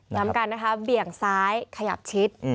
ย้ำกันนะคะเบี่ยงซ้ายขยับชิด